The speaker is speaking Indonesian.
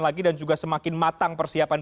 lagi dan juga semakin matang persiapan